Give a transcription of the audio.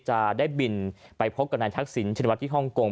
จะได้บินไปพบกับนายทักศิลป์ชนิดวัตถิศฮ่องกง